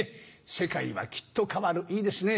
「世界はきっと変わる」いいですね。